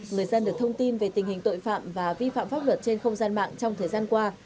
người dân được thông tin về tình hình tội phạm và vi phạm pháp luật trên không gian mạng trong thời gian qua